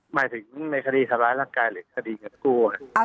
หมายถึงในคดีทำร้ายร่างกายหรือคดีเงินกู้